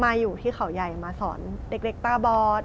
มาอยู่ที่เขาใหญ่มาสอนเด็กเล็กตาบอด